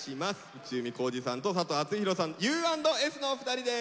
内海光司さんと佐藤アツヒロさんＵ＆Ｓのお二人です。